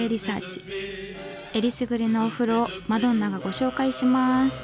えりすぐりのお風呂をマドンナがご紹介します！